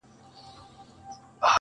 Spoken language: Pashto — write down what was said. خړي خاوري د وطن به ورته دم د مسیحا سي؛؛!